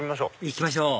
行きましょう